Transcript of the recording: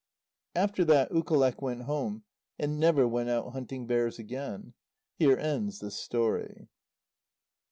After that Ukaleq went home, and never went out hunting bears again. Here ends this story.